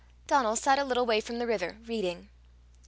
Donal sat a little way from the river, reading.